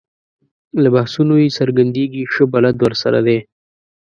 له بحثونو یې څرګندېږي ښه بلد ورسره دی.